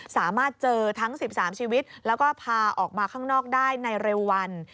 สามารถเจอทั้ง๑๓ชีวิตแล้วก็พาออกมาข้างนอกได้ในเร็ววัน